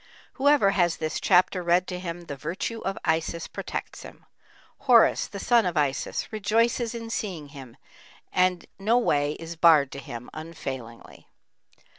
Whoever has this chapter read to him, the virtue of Isis protects him; Horus, the son of Isis, rejoices in seeing him, and no way is barred to him, unfailingly.